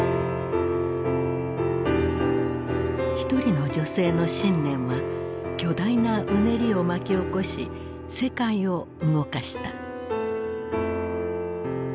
一人の女性の信念は巨大なうねりを巻き起こし世界を動かした。